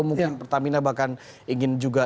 mungkin pertamina bahkan ingin juga